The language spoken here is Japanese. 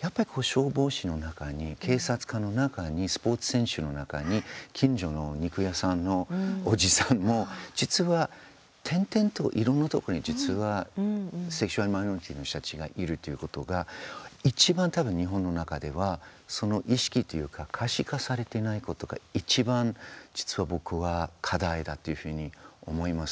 やっぱり消防士の中に、警察官の中にスポーツ選手の中に近所の肉屋さんのおじさんも実は点々といろんなところに実はセクシャルマイノリティーの人たちがいるということがいちばん多分、日本の中ではその意識というか可視化されてないことがいちばん実は僕は課題だというふうに思います。